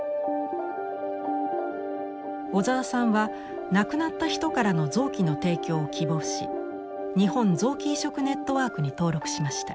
小沢さんは亡くなった人からの臓器の提供を希望し日本臓器移植ネットワークに登録しました。